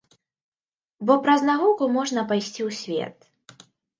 Бо праз навуку можна прайсці ў свет.